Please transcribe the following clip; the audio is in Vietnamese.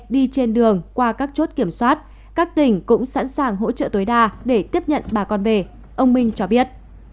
đi trên đường qua các chốt kiểm soát các tỉnh cũng sẵn sàng hỗ trợ tối đa để tiếp nhận bà con về ông minh cho biết